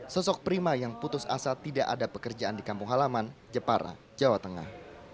sosok prima yang putus asa tidak ada pekerjaan di kampung halaman jepara jawa tengah